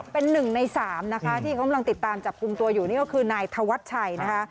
เป็น๑ใน๓นะคะที่เค้าติดตามจับกลุ่มตัวอยู่นี่ก็คือนายธวัตรชัยนะคะ